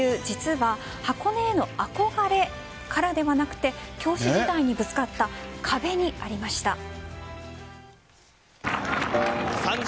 実は箱根への憧れからではなくて教師時代にぶつかった壁にありました。